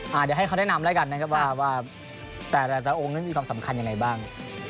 เดี๋ยวให้เขาแนะนำแล้วกันนะครับว่าแต่ละองค์นั้นมีความสำคัญยังไงบ้าง